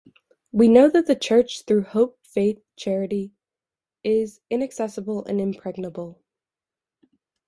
We know that the Church through hope, faith, charity, is inaccessible and impregnable.